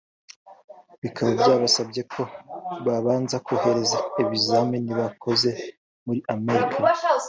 bikaba byasabaga ko babanza kohereza ibizamini bakoze muri Amerika